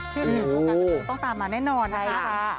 ชื่อถึงต้องตามมาแน่นอนนะครับ